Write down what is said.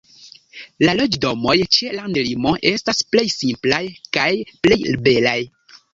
La loĝdomoj ĉe landlimo estas plej simplaj kaj plej belaj.